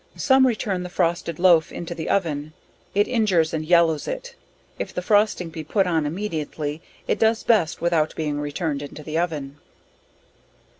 Some return the frosted loaf into the oven, it injures and yellows it, if the frosting be put on immediately it does best without being returned into the oven.